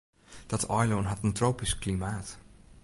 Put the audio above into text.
Dat eilân hat in tropysk klimaat.